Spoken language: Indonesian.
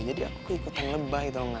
jadi aku ikut yang lebay tau gak